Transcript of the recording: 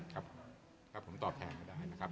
ครับครับผมตอบแทนก็ได้นะครับ